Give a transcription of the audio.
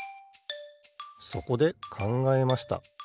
そこでかんがえました。